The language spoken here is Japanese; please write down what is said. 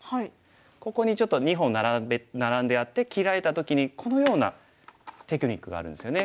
ここにちょっと２本ナラんであって切られた時にこのようなテクニックがあるんですよね。